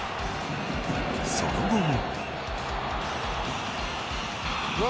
その後も。